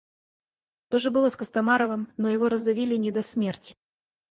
То же было с Костомаровым, но его раздавили не до смерти.